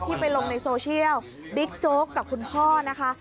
ไปลงในโซเชียลบิ๊กโจ๊กกับคุณพ่อนะคะ